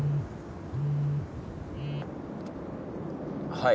はい。